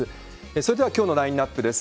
それではきょうのラインナップです。